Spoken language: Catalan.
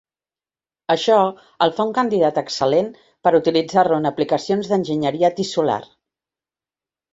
Això el fa un candidat excel·lent per utilitzar-lo en aplicacions d'enginyeria tissular.